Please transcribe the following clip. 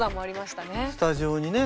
スタジオにねえ。